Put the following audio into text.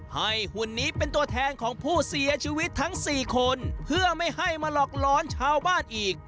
หุ่นนี้เป็นตัวแทนของผู้เสียชีวิตทั้ง๔คนเพื่อไม่ให้มาหลอกร้อนชาวบ้านอีก